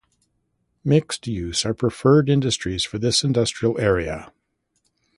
Mixed Use are preferred industries for this industrial area.